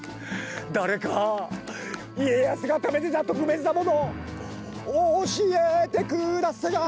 誰か家康が食べてた特別なものおしえてください。